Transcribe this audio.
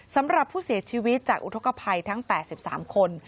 สำหรับผู้เสียชีวิตจากอุทธกภัยทั้ง๘๓คน